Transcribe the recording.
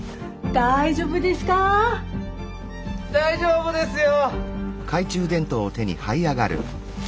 大丈夫ですよ。